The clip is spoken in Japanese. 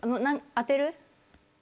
当てる？